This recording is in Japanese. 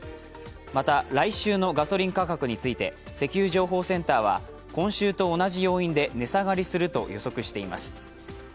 また来週のガソリン価格について石油情報センターは今週と同じ要因で値下がりすると予測しています。